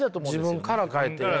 自分から変えて。